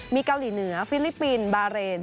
มีเกาหลีเหนือฟิลิปปินส์บาเรน